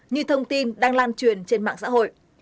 như thông tin đang lan truyền trên mạng xã hội